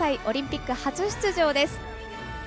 オリンピック初出場です。